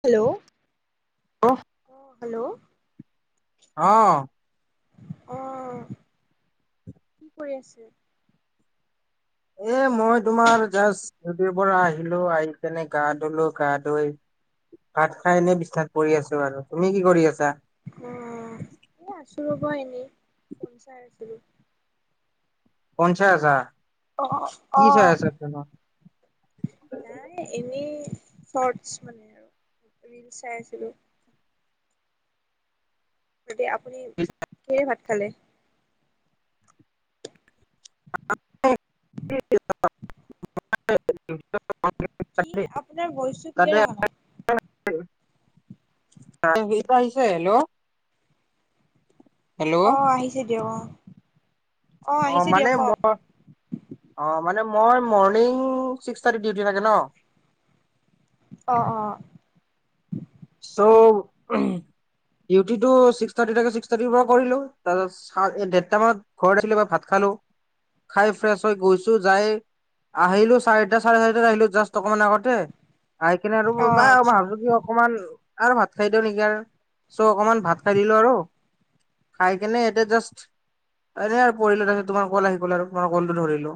Hello? অ'হ hello! অ'! অ'হ কি কৰি আছে? এ মই তোমাৰ জাষ্ট খেতিৰ পৰা আহিলোঁ। আহি পিনে গা ধুলোঁ। গা ধুই ভাত খাই এনেই বিচনাতে পৰি আছোঁ আৰু। তুমি কি কৰি আছা? অ'! এ আছোঁ আৰু এনেই, ফোন চাই আছিলোঁ। ফোন চাই আছা? অ'! কি চাই অ'! আছা ফোনত নাই, এনেই শৰ্টছ, মানে আৰু ৰীলচ চাই আছিলোঁ। এতিয়া আপুনি কিহেৰে ভাত খালে? [unintelligible] কি? আপোনাৰ ভইচটো তাতে ক্লিয়াৰ অহা নাই। আহিছে হেল্ল'? হেল্ল' অ'হ আহিছে দিয়ক। অ'হ! অ', মানে মই অ', মানে মই মৰ্ণিং ছিক্স থাৰ্টিত ডিউটি লাগে ন'। অ', অ'। চ' ডিউটিতো ছিক্স থাৰ্টিতে থাকে ছিক্স থাৰ্টিৰ পৰা কৰিলোঁ, তাছত এই দেৰটা মানত ঘৰত আহিলে বা ভাত খালোঁ, খাই ফ্ৰেছ হৈ গৈছোঁ যায় আহিলোঁ, চাৰিটা চাৰে চাৰিটাত আহিলোঁ, জাষ্ট অকমান আগতে। আহি কিনে আৰু বা অ', আচ্ছা [unintelligible] অকমান আৰু ভাত খাই দিওঁ নেকি আৰু চ' অকমান ভাত খাই দিলোঁ, আৰু খাই কেনে এতিয়া জাষ্ট এনে আৰু পৰিলোঁ, তাৰপিছত তোমাৰ ক'ল আহি গ'ল আৰু তোমাৰ ক'লটো ধৰিলোঁ।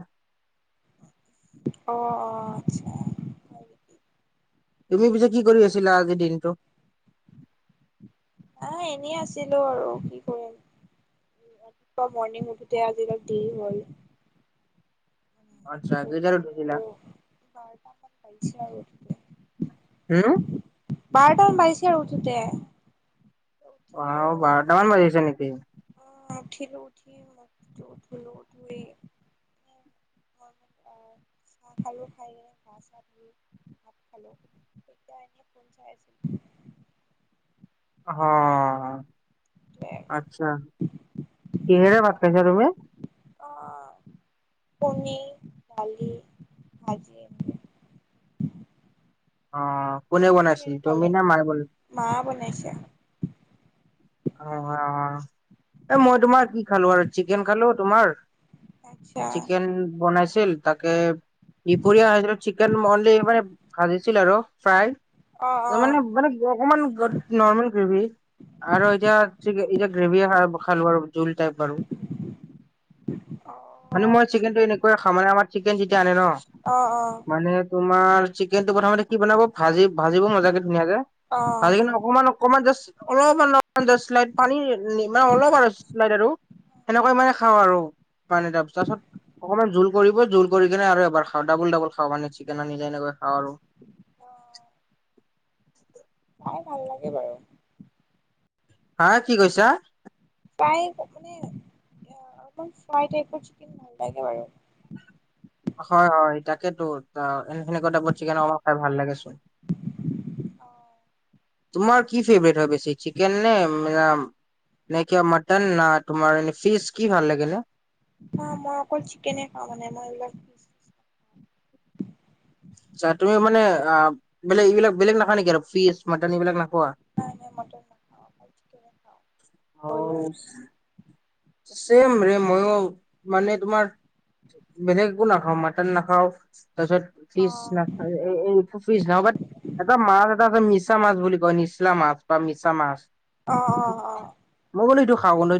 অ', অ', আচছা। তুমি পিছে কি কৰি আছিলা আজিৰ দিনটো? আ, এনেই আছিলোঁ আৰু কি কৰিম, ৰাতিপুৱা মৰ্ণিং উঠোঁতে আজি অলপ দেৰি হ'ল। আচ্ছা, ত কেইটাত উঠিছিলা? বাজিছে আৰু উঠোঁতে। হম। বাৰটা বাজিছে আৰু উঠোঁতে। অ', বাৰটা মান বাজিছে নি [unintelligible] উঠিলোঁ, উঠি মুখ ধুলো, ধুই [unintelligible] চাহ খালোঁ খাই লৈ গা চা ধুই, ভাত খালোঁ, তেতিয়া এনেই ফোন চাই আছিলোঁ অহ, সেইটোৱে আচ্ছা কিহেৰে ভাত খাইছা তুমি? অ' কনি, দালি, ভাজি অ' কোনে আপুনি বনাইছিল কিহেৰে তুমি খালে? না মায়ে বনাই মা বনাইছে অ' অ' এই মই তোমাৰ কি খালো আৰু চিকেন খালো তোমাৰ আচ্ছা চিকেন বনাইছে তাকে দুপৰীয়া আৰু চিকেন মানে ভাজিছিল আৰু ফ্ৰাই অ ত অ মানে মানে অকমান নৰ্মেল গ্ৰেভি আৰু চিকেন এতিয়া গ্ৰেভীয়ে খালো আৰু জুল টাইপ আৰু অ মানে মই আচ্ছা চিকেনটো এনেকুৱা খাও মানে আমাৰ চিকেন যেতিয়া আনে ন অ মানে তোমাৰ চিকেনটো প্ৰথমতে কি বনাব ভাজি ভাজিব মজাকে ধুনীয়াাক যে অ ভাজি কিনে অকমান অকমান জাষ্ট অলপ অলপ শ্লাইড পানী মানে অলপ আৰু শ্লাইড আৰু অ সেনেকৈ মানে খাওঁ আৰু পানী ত তাৰ পিছত অকমান জোল কৰিব জোল কৰি কিনে আৰু এবাৰ খাওঁ মানে চিকেন আনিলে এনেক খাওঁ আৰু ডবোল ডাবোল খাও আৰু ভাল লাগে বাৰু হা কি কৈছা ফাই মানে অলপমান ফ্ৰাই টাইপৰ চিকেন ভাল লাগে বাৰু হয়, হয় তাকেেতো এ সেনেকুৱা টাইপত চিকেন অমাক খাই ভাল লাগে চোন আহঁ, তোমাৰ কি ফেভাৰেট হয় বেছি চিকেন নে, নাইকিয়া মটন নে, তোমাৰ ফিচ কি ভাল লাগে ন? হ মই অকল চিকেনে খাওঁ মানে মই অলপ! আচা তুমি মানে বেলেগ এইবিলাক বেলেগ নাখা নেকি আৰু ফিচ মন এইবিলাক নাখ নাই নাই ম ন [inaudible] অ। ছেম ৰে মইও মানে তোমাৰ, বেলেগ একো নাখাও মাটন নাখাও। তাৰিছত অ ফিচ ন ফিজ ন এটা মাছ এটা আছে [inaudible] মিছা মাছ বুলি কয় নিচলা মছ বা মিছা মাছ। অ অ অ মই বোলো এইটো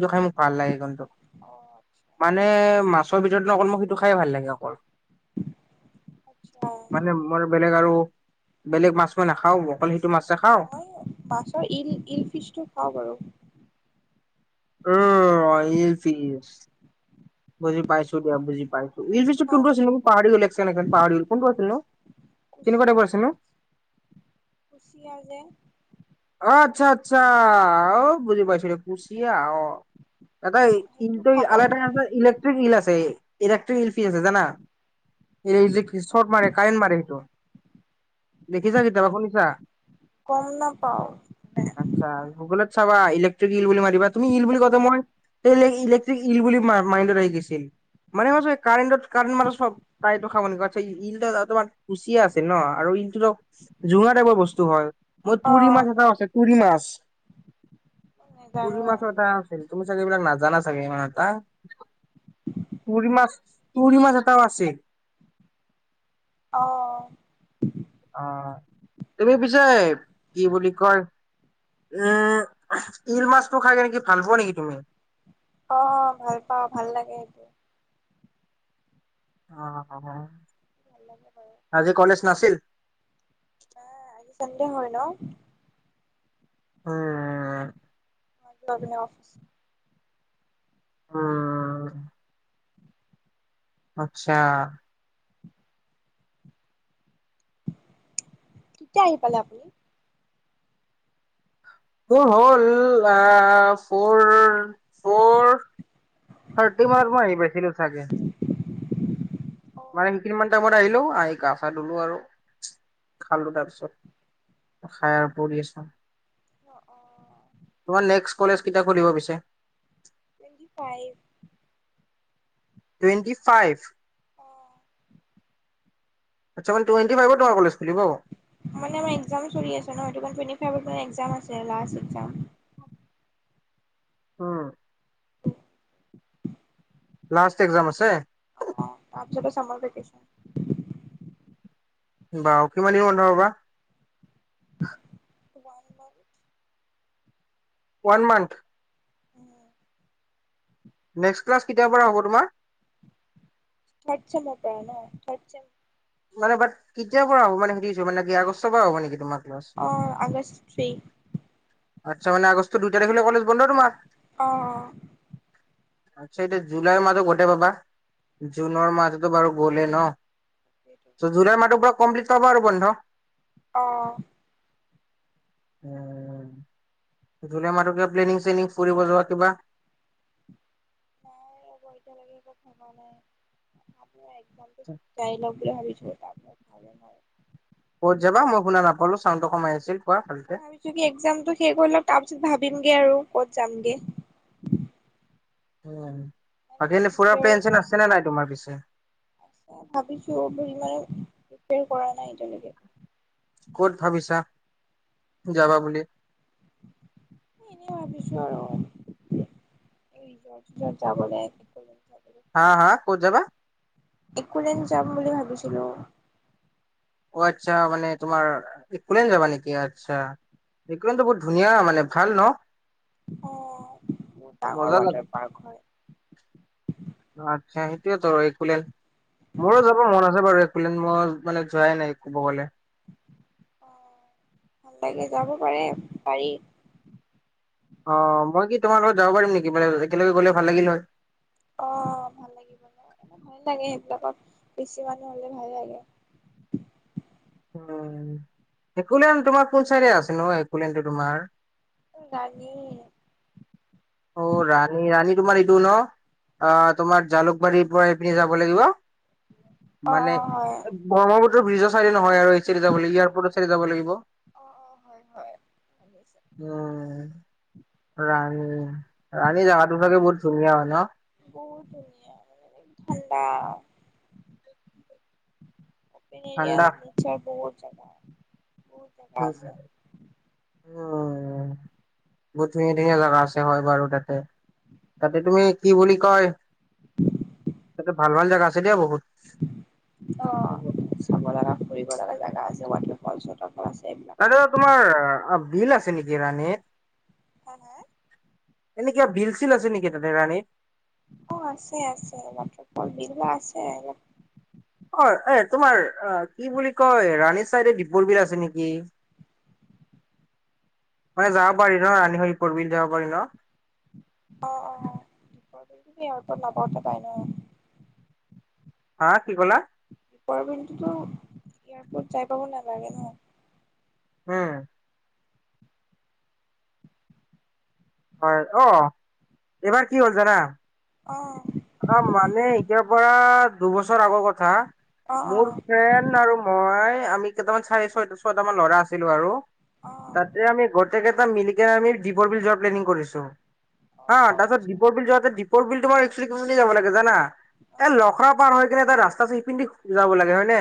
[unintelligible] ভাল লাগি কিন্তু, অ আচ্ছা মানে মাছৰ ভিতৰততে অকল মোক সিটো খাই ভাল লাগে অকল। আচ্ছা মানে মই বেলেগ আৰু বেলেগ মাছ মই নাখাও। মই মাছৰ ইল ইল ফিচটো খাওঁ বাৰু। উম্ অ ইল ফিচ। বুজি পাইছো দিয়া বুজি পাইছো। ইল সেইটো ফিছ টো খাওঁ কোনটো আছিল নো? পাহৰি গলো এক ছেকেণ্ড পাহৰি গলো। কোনটো আছিল নো? কেনেকুৱা কুচিয়া টাইপৰ আছিল নো? মাছ কুচিয়া যে অ আচ্ছা আচ্ছা অ বুজি পাইছিলো। কুচিয়া অ দাদা সেইটো ইটো আন খাওঁ এটা আছে ইলেক্ট্ৰিক ইল আছে। ইলে্ট্ৰিক ইল আ জানা এই শৰ্ট মাৰে কাৰেণ্ট মাৰে সেইটো দেখিছা কেতিয়াবা শুনিছা? গম নাপাওঁ আচ্ছা গগলত চাবা ইলেক্ট্ৰিক ইল বুলি মাৰিবা তুমি ইল বুলি ক মই ইলেক্ট্ৰিক ইল বুলি মাইণ্ডত আহি গৈছিল। মানে মই [unintelligible] কাৰেণ্ট কাৰেণ্ট মাৰ চব তাই এইটো খাব নেকি অ আচ্ছা ইল তোমাৰ কুচিয়া আছিল ন আৰু ইলটো জুঙা টাইপৰ বস্তু হয়। অ তুৰি মা এটাও আছে তুৰি মাছ। বচ [unintelligible] পুৰি নাজানো মাছৰত আছিল। তুমি চাগে এইবলাক নাজানা চাগে ইমান এটা। তুৰি মাছ তুৰি মাছ এটাও আছে। আহ অ তুমি পিছে কি বুলি কয় উম ইল মাছটোৰ খাই কেনে কি ভাল পোৱা নেকি তুমি? অ ভাল পাও, ভাল লাগে। অ অ। [inaudible] নাছিল? আহ আজি চডে হয় ন। উম। [unintelligible] অফিচ উম আচ্ছা কেতিয়া আহি পালে আপুনি। তোৰ হ'ল আহ ফৰ ফৰ থাৰ্টি মাৰ্ক ম আহি পাইছিলোঁ চাগে অ মানে সেই কিমান টাইমত আহিলো আহি গা চা ধলো আৰু খালো তাৰপিছত খাই আৰু পৰি আছো। অ অ তোমাৰ নেক্স কলেজ খুল পিছে টেণ্টি ফাইভ টুৱেণ্টি ফাইভ। অ [unintelligible] আচ্ছা টুৱেটি ফাইভৰ টম কলেজ খুলিব। মানে মোৰ একজাম চলি আছে, উম উম লাষ্ট একগ্জাম আছে [unintelligible] বা কিমান বন্ধ বা ওান মন [unintelligible] ওৱান মান্থ উম [unintelligible] নেক্স ক্লাছ কেতিয়াৰ পৰা হ'ব তোমাৰ? থাৰ চেমৰ পৰা ন? মানে বাট পৰা হব মানে সুধিছো মানে কি আগষ্টৰ পৰা হ' নেকি তোমাৰ, ক্লাছ অ আগষ্ট থ্ৰী আচ্ছা মানে আগষ্ট দু তাৰিখলে বন্ধ তোমাৰ। অঁ অ আচ্ছা এতিয়া জুলাইৰ মাহহো গোটেই পাবা জুনৰ মাহতো বাৰু গলে ন জুুলাই মাহ তো পোৰা কমপ্লিট হব আৰু বন্ধ। আহ। উম ধলে মাতকে প্লেনিং চেনিং ফুৰিব যোৱা কিবা। নাই একো এতিয়ালৈকে একো কমা নাই একদম চাইল বুলি ভাবিছোঁ ত ভে ন [unintelligible] বলো ছাউন্ড তো কমাই আছে ভাবিছো কি একজামটো শেষ হৈ লওক তাৰ পিছত ভাবিমগে আৰু। ক'ত যামগে। উম বাকী ইনে ফুৰা প্লেন চেন আছে নে নাই তোমাৰ পিছে? ভাবিছোবোৰ ইমানে কৰা নাই এতিয়ালৈকে। ক'ত ভাবিছা যাবা বুলি এনে ভাবিছো আৰু যাবলৈ। হা হা ক'ত যাবা একলেন যাম বুলি ভাবিছিলো অ আচ্ছা মানে তোমাৰ ইকুলেন যাবা নেকি আচ্ছা ইকুলনটো বহুত ধুনীয়া মানে ভাল ন আহ বহুত ডাঙৰ মজা লাগে ৱাটাৰ পাৰ্ক হয় খুলেন [unintelligible] মোৰো যাব মন আছে বাৰু মই মানে যোৱাই নাই ক'ব গ'লে ভাল লাগে যাব পাৰে পাৰী অ মই কি তোমাৰ লগত যাব পাৰিম নেকি মানে একেলগে গ'লে ভাল লাগিল নহয় অ ভাল লাগিব ন এ ভাল লাগে সেইবিলাকত বেছি মানুহ হলে ভাল লাগে একেকুলেন তোমাৰ কোন চাইডে আছে ন এককুলনটো তোমাৰ গান [unintelligible] অ ৰাণী ৰাানী তোমাৰ এইটো ন অ তোমাৰ জালুকবাৰীৰ পৰা আহ পিনে যাব লাগিব অ মানে অ হয় ব্ৰ্মপ [unintelligible] ব্ৰিজৰ চাইডি নহয় আৰু চাৰি যাব ওপৰৰ চাইডি যাব লাগিব [unintelligible] উম অ অ হয় হয় শুনিছো ৰাণী তানি যা তচাগে বহুত ধুনীয়া হয় ন [unintelligible] বহুত ধুনীয়া ঠাণ্ডা পৰি ঠাণ্ডা নিৰ বহুত [unintelligible] [inaudible] জেগা উম আছে উম বহুত ধুনীয়া ধুনীয়া জোগা আছে হয় বাৰু তাতে তাতে তুমি কি বুলি কয় তাতে ভাল ভাল জেগা আ অ চাব লগা ফুৰিব লগা জাগা আছে ব পাঁচশ টকা নাই বাইদেউ তোমাৰ বিল আছে নেকি [unintelligible] গৰাণী [unintelligible] হা হা এনেকিয়া বিল চিল আছে নেকি তাতে ৰাণী অ আছে আছে ৱাটাৰফল বিলা আছে [unintelligible] অ এ তোমাৰ কি বুলি কয় ৰাণী চাইডে দুপৰ বিল আছে নেকি মানে যাব পাৰি ন ৰাণী হৈ দীপৰ বিল যাব পাৰি ন অ অ তুমি এয়াৰ ওৰত নাপাওঁতে পাই ন হা কি ক'লা ৰ বিন্তুতো এয়াৰপৰ্ট যাই পাব নালাগে ন হম হয় অ এইবাৰ কি হ'ল জানা অ আ মানে এতিয়াৰ পৰা দুবছৰ আগৰ কথা অ অ মোৰ ফেন আৰু মই আমি কেইটামান চাৰি ছয়টা ছয়ট মান ল'ৰা আছিলো আৰু অ তাতে আমি গ'ল গোটেকেইটা মিলিকে আমি দীপৰ বিল যোৱা প্লেনিং কৰিছো। অ হা, তাৰপিছত আচ্ছা দীপৰ বিল যাওঁতে বিলতোমাৰ [unintelligible] যাব লাগে জানা, অ এ লখৰা পাৰ হৈ কিনে এটা ৰাস্তা আছে সেই পিনেদি যাব লাগে হয়নে?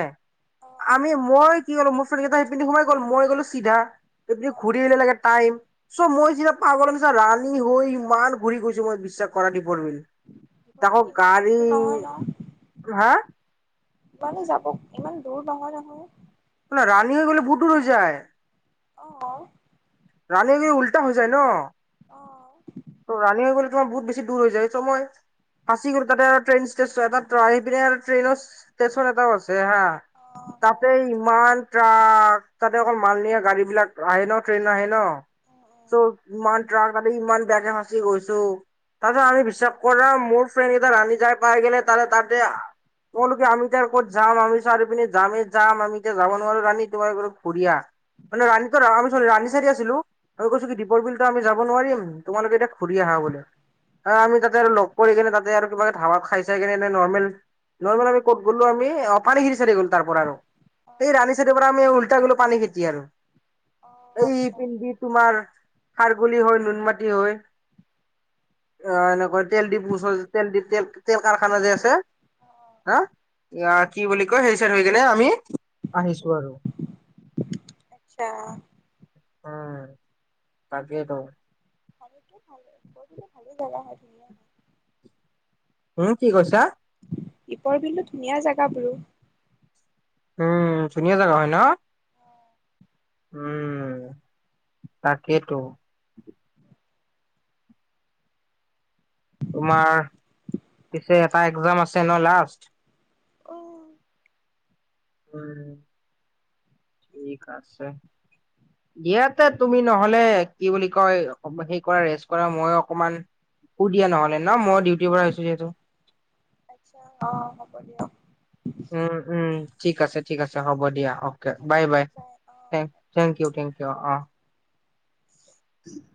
অ আমি মই কি হ'লো ম এতিয়া [unintelligible] এইপিনেদি সোমাই গ'ল, মই গ'লো চিধা এইপুনি [unintelligible] অ ঘূৰি অ আহিলে লাগে টাইম, চ' মই তি পাগলৰ নাচিনা ৰাণী হৈ ইমান ঘূৰি গৈছো মই বিশ্বাস কৰা দীপৰবিল। দীপৰবিল ইমান দূৰ নহয় ন', হা ইমানে যাব ইমান দূৰ নহয়, নহয়। ৰাণী হৈ গ'লে বহুত দূৰ হৈ যায়। অ'। ৰাণী হ'লে উল্টা হৈ যায় ন'। অ', ত' ৰাণী হৈ গ'লে তোমাৰ বহুত বেছি দূৰ হৈ যায় চ' মই, ফাঁচি গো তাতে আৰু ট্ৰেইন ষ্টচন তাত আহি পিনে আৰু ট্ৰেইনত ষ্টেচন এটাও আছে হা, অ', হয় তাতে ইমান দাম। অ' মাল নিয়া গাড়ী বিলাক আহে ন' ট্ৰেইন আহে ন', উম, উম, চ' ইমান ট্টাক আহে ইমান, তাকে সাঁচি গৈছো। তাৰপিছত আমি বিশ্বাস কৰা মোৰ ফ্ৰেণ্ড কেইটা ৰাণী যাই পাই কিনে তাৰে তাতে, তোমালোকে আমি যে ক'ত যাম, আমি চাৰ পিনে যামেই যাম আমি এতিয়া যাব নোৱাৰো ৰাণী তোমাৰৰত ঘুৰি আহ মানে ৰাণীতো ৰাণী চাৰি আছিলো আমি কৈছো কি, দীপৰ বিলতো আমি যাব নোৱাৰিম। তোমালোকে এতিয়া ঘূৰি আহা বোলে। আমি তাতে আৰু লগ কৰি কিনে তাতে আৰু কিবা ধাবাত খাই চাই কিনে নৰ্মেল, নৰ্মেল আমি ক'ত গ'লো আমি পানী খেতি চাইডে গ'লো তাৰ পৰা আৰু সেই অ', ৰাণী চাৰীৰ পৰা আমি উল্টা গ'লো পানী খেতি আৰু। অ', এই আচ্ছা পিনদি তোমাৰ, খাৰগুলি হয় নুন মাটি আহ এনেকৈ তেল দিপু ওচৰত তেলপ তেল তেল কাৰখানা যে আছে, অ', হা কি বুলি কয় সেই চাইড হৈ কেনে আমি আহিছো আৰু আচ্ছা। উম' তাকেটো। ভানীত ভাল গৈ ভালে জেগা হয় ধুনীয়া হয়। উম কি কৈছা? দীপৰ বিলো ধুনীয়া জেগাবোৰো। উম ধুনীয়া জাগা হয় ন'। উম' তাকেইতো। তোমাৰ পিছে এটা এস্কাম আছে ন', লাষ্ট। অ'। হয়। ঠিক আছে, দিয়া তে তুমি নহ'লে কি বুলি কয় সেই কৰা ৰেষ্ট কৰা মই অকমান শুই দিয়া নহ'লে ন' মই ডিউটিৰ পৰা আঁহিছো যিহেতু। অ' হ'ব দিয়ক। উম', উম'। ঠিক আছে, ঠিক আছে হ'ব দিয়া অ'কে। বাই, বাই থ থেংক ইউ, থেংক ইউ অ', অ'। উম [unintelligible]